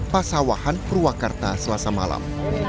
pasawahan purwakarta selasa malam